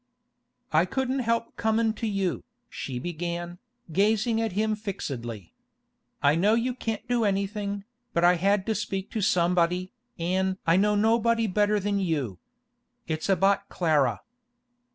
'I couldn't help comin' to you,' she began, gazing at him fixedly. 'I know you can't do anything, but I had to speak to somebody, an' I know nobody better than you. It's about Clara.